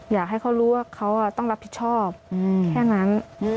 อยากให้เขารู้ว่าเขาต้องรับผิดชอบแค่นั้น